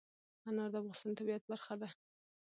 انار د افغانستان د طبیعت برخه ده.